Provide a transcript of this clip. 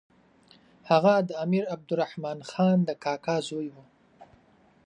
هغه د امیر عبدالرحمن خان د کاکا زوی وو.